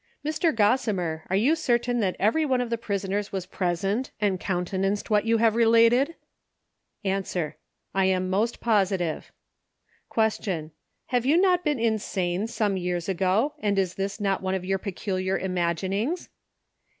— Mr. Gossimer, are you certain that every one of the prisoners was present and counte nanced what you have related ? A. — I am most positive. Q. — Have you not been insane some years ago, and is this not one of your peculiar imaginings